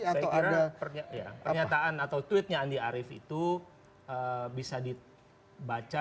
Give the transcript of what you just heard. saya kira pernyataan atau tweetnya andi arief itu bisa dibaca